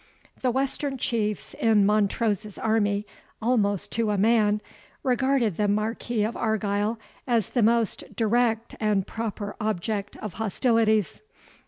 The Western Chiefs in Montrose's army, almost to a man, regarded the Marquis of Argyle as the most direct and proper object of hostilities.